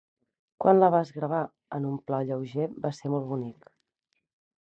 Quan la vas gravar en un pla lleuger va ser molt bonic.